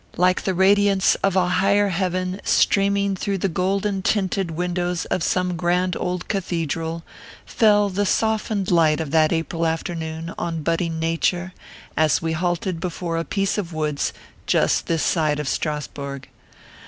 Like the radiance of a higher heaven streaming 262 OKPHEUS C. KERB PAPERS. through the golden tinted windows of some grand old cathedral, fell the softened light of that April afternoon., on budding Nature, as we halted before a piece of woods just this side of Strasburg.